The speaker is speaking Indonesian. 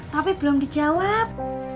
tapi belum dijawab